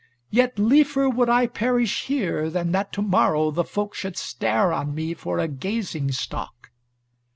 Yet liefer would I perish here than that to morrow the folk should stare on me for a gazing stock."